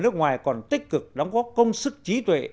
nước ngoài còn tích cực đóng góp công sức trí tuệ